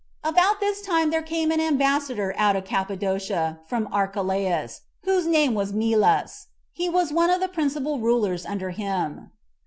6. About this time there came an ambassador out of Cappadocia from Archelaus, whose name was Melas; he was one of the principal rulers under him.